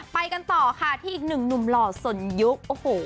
ไปกันต่อค่ะที่อีกหนึ่งหนุ่มหล่อสนยุคโอ้โห